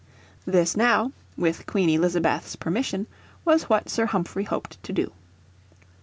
This now, with Queen Elizabeth's permission, was what Sir Humphrey hoped to do.